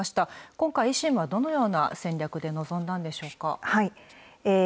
今回、維新はどのような戦略で臨んだんでしょうか。